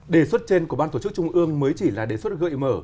đề xuất trên của ban tổ chức trung ương mới chỉ là đề xuất gợi mở